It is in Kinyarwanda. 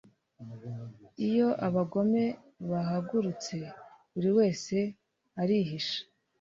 Iyo abagome bahagurutse buri wese arihisha